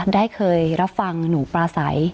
ได้เคยรับฟังหนูปลาใส